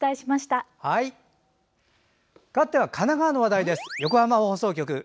かわっては神奈川の話題です。